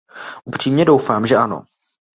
Upřímně doufám, že ano.